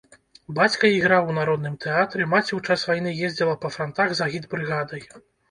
Бацька іграў у народным тэатры, маці ў час вайны ездзіла па франтах з агітбрыгадай.